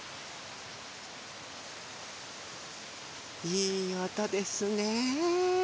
いいおとですね。